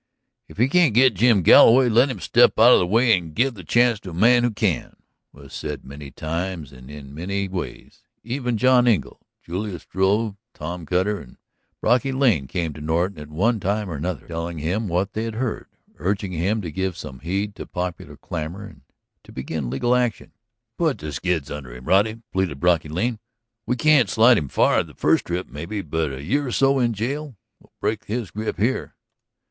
"If he can't get Jim Galloway, let him step out of the way and give the chance to a man who can," was said many times and in many ways. Even John Engle, Julius Struve, Tom Cutter, and Brocky Lane came to Norton at one time or another, telling him what they had heard, urging him to give some heed to popular clamor, and to begin legal action. "Put the skids under him, Roddy," pleaded Brocky Lane. "We can't slide him far the first trip, maybe. But a year or so in jail will break his grip here."